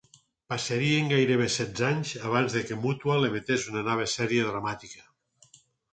Passarien gairebé setze anys abans que Mutual emetés una nova sèrie dramàtica.